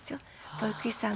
保育士さん